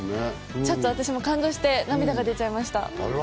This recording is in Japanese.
ちょっと私も感動して涙が出ちゃいました。